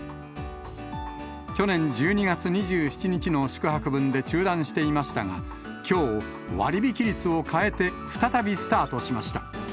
去年１２月２７日の宿泊分で中断していましたが、きょう、割引率を変えて再びスタートしました。